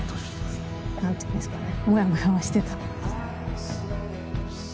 何ていうんですかね。